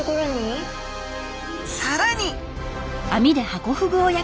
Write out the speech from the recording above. さらに！